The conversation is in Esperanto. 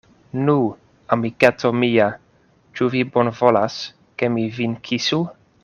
Nu, amiketo mia, ĉu vi bonvolas, ke mi vin kisu?